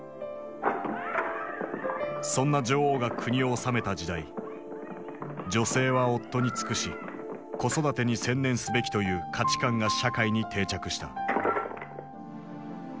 そんな女王が国を治めた時代女性は夫に尽くし子育てに専念すべきという価値観が社会に定着した。